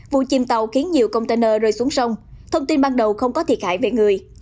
vụ chìm tàu khiến nhiều container rơi xuống sông thông tin ban đầu không có thiệt hại về người